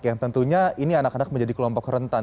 yang tentunya ini anak anak menjadi kelompok rentan